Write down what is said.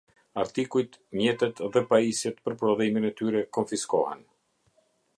Artikujt, mjetet dhe pajisjet për prodhimin e tyre konfiskohen.